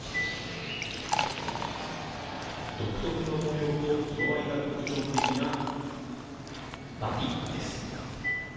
独特の模様と色合いが特徴的なバティックです。